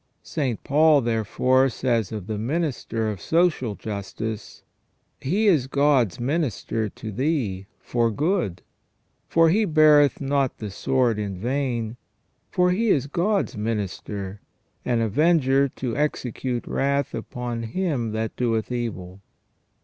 St. Paul, therefore, says of the minister of social justice :" He is God's minister to thee, for good : for he beareth not the sword in vain, for he is God's minister, an avenger to execute wrath upon him that doeth evil